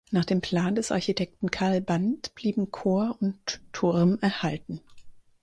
Nach dem Plan des Architekten Karl Band blieben Chor und Turm erhalten.